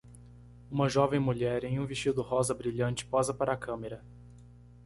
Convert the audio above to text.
Uma jovem mulher em um vestido rosa brilhante posa para a câmera.